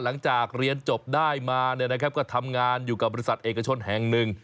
หลังจากเรียนจบได้มาก็ทำงานอยู่กับบริษัทเอกชนแห่งหนึ่ง